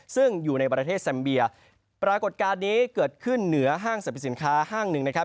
ซึ่งอยู่ในประเทศแซมเบียปรากฏการณ์นี้เกิดขึ้นเหนือห้างสรรพสินค้าห้างหนึ่งนะครับ